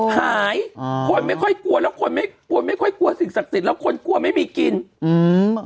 หายอ่าคนไม่ค่อยกลัวแล้วคนไม่กลัวไม่ค่อยกลัวสิ่งศักดิ์สิทธิ์แล้วคนกลัวไม่มีกินอืม